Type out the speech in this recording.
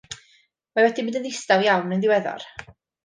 Mae wedi mynd yn ddistaw iawn yn ddiweddar.